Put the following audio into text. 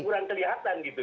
kurang kelihatan gitu